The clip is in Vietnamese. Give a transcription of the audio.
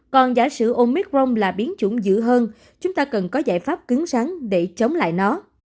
còn giả sử omicron là biến chủng dữ hơn chúng ta cần có giải pháp cứng sẵn để chống lại nó